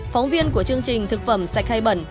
phóng viên của chương trình thực phẩm sạch hay bẩn